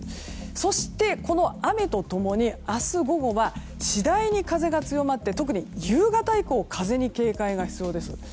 そして、この雨と共に明日午後は次第に風が強まって特に夕方以降風に警戒が必要です。